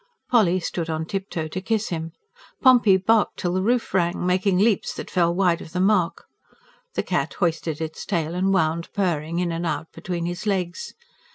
Polly stood on tip toe to kiss him; Pompey barked till the roof rang, making leaps that fell wide of the mark; the cat hoisted its tail, and wound purring in and out between his legs.